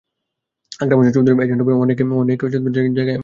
আকরাম হোসেন চৌধুরীর এজেন্ট হবেন, অনেক জায়গায় এমন লোকও ছিল না।